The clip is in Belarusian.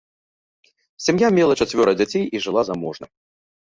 Сям'я мела чацвёра дзяцей і жыла заможна.